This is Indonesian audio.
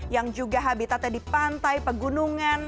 yang juga habitatnya di pantai pegunungan